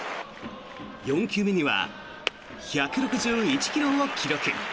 ４球目には１６１ｋｍを記録。